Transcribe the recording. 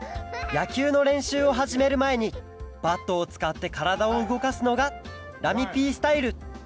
やきゅうのれんしゅうをはじめるまえにバットをつかってからだをうごかすのがラミＰスタイル！